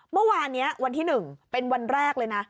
เมื่อวานนี้วันที่๑เป็นวันแรกเลยนะ